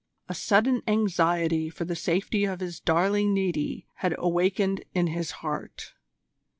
A sudden anxiety for the safety of his darling Niti had awakened in his heart.